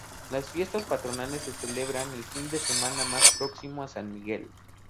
Las fiestas patronales se celebran el fin de semana más próximo a San Miguel.